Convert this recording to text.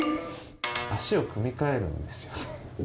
足を組み替えるんですよ。